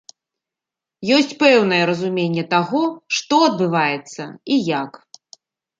Ёсць пэўнае разуменне таго, што адбываецца і як.